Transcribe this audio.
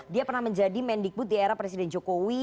dia pernah menjadi mendikbud di era presiden jokowi